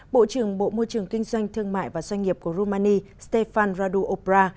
bộ trưởng bộ môi trường kinh doanh thương mại và doanh nghiệp của rumani stefan radu opra